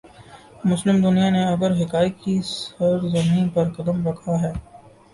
مسلم دنیا نے اگر حقائق کی سرزمین پر قدم رکھا ہے۔